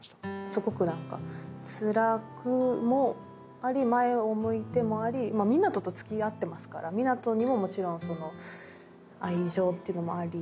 すごく何かつらくもあり前を向いてもありまあ湊斗と付き合ってますから湊斗にももちろんその愛情ってのもあり。